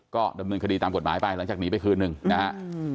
ก็ดำเนินคดีตามกฎหมายไปหลังจากหนีไปคืนหนึ่งนะฮะ